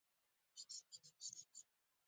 ناصر ژمنه وکړه چې موډرنه ټولنه جوړوي.